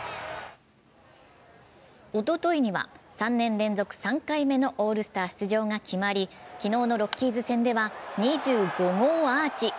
おとといは３年連続３回目のオールスタ出場が決まり、昨日のロッキーズ戦では２５号アーチ。